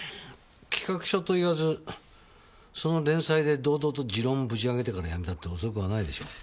企画書といわずその連載で堂々と持論ぶち上げてから辞めたって遅くはないでしょう。